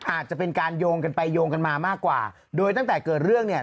อาจจะเป็นการโยงกันไปโยงกันมามากกว่าโดยตั้งแต่เกิดเรื่องเนี่ย